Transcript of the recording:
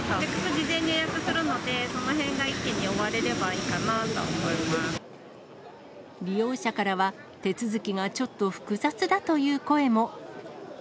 事前に予約するので、そのへんが一気に終われればいい利用者からは、手続きがちょっと複雑だという声も。